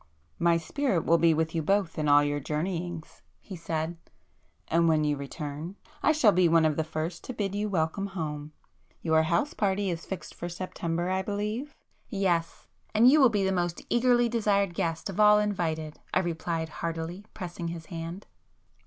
"My spirit will be with you both in all your journeyings!" he said—"And when you return, I shall be one of the first to bid you welcome home. Your house party is fixed for September, I believe?" "Yes,—and you will be the most eagerly desired guest of all invited!" I replied heartily, pressing his hand.